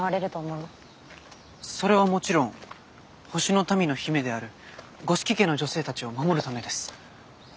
それはもちろん星の民の姫である五色家の女性たちを守るためです。